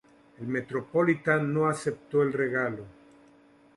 El Metropolitan no acepto el regalo.